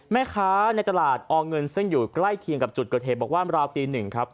แม่ค้าในตลาดอเงินซึ่งอยู่ใกล้เคียงกับจุดเกิดเหตุบอกว่าราวตีหนึ่งครับ